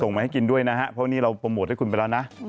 มาให้กินด้วยนะฮะเพราะวันนี้เราโปรโมทให้คุณไปแล้วนะ